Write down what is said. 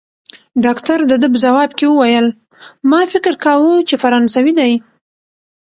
ډاکټر د ده په ځواب کې وویل: ما فکر کاوه، چي فرانسوی دی.